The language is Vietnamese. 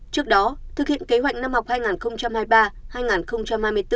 trước đó thực hiện kế hoạch năm học hai nghìn hai mươi ba hai nghìn hai mươi bốn